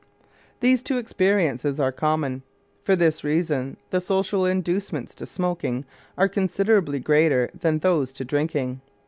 These two experiences are common. For this reason, the social inducements to smoking are considerably greater than those to drinking.